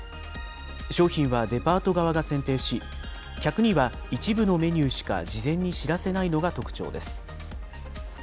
商品はデパート側が選定し、客には一部のメニューしか事前に知らせないのが特徴です。